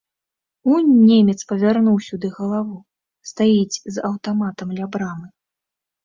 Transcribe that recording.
Унь немец павярнуў сюды галаву, стаіць з аўтаматам ля брамы.